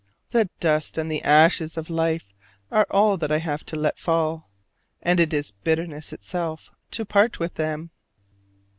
The dust and the ashes of life are all that I have to let fall: and it is bitterness itself to part with them.